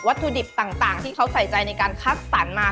ถุดิบต่างที่เขาใส่ใจในการคัดสรรมา